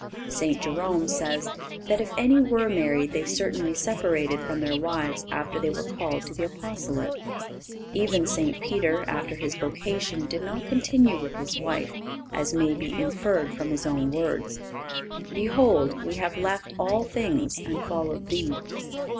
St. Jerome says that if any were married they certainly separated from their wives after they were called to the Apostolate. Even St. Peter, after his vocation, did not continue with his wife, as may be inferred from his own words: "Behold, we have left all things, and followed Thee."